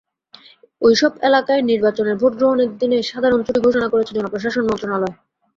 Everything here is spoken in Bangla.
ওইসব এলাকায় নির্বাচনের ভোট গ্রহণের দিনে সাধারণ ছুটি ঘোষণা করেছে জনপ্রশাসন মন্ত্রণালয়।